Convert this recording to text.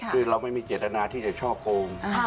คือเราไม่มีเจตนาที่จะช่อโกง